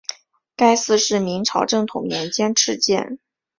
该寺是明朝正统年间敕建。